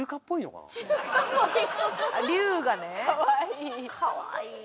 かわいい。